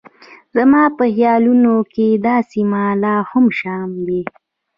زما په خیالونو کې دا سیمه لا هم شام دی.